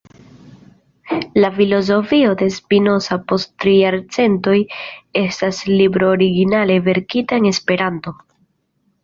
La Filozofio de Spinoza post Tri Jarcentoj estas libro originale verkita en Esperanto.